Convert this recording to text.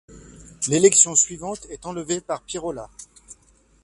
L'élection suivante est enlevée par Piérola.